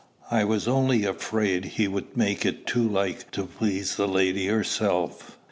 I was only afraid he would make it too like to please the lady herself.